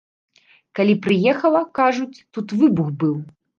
Калі прыехала, кажуць, тут выбух быў.